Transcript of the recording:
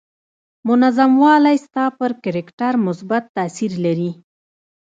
منظم والی ستا پر کرکټر مثبت تاثير لري.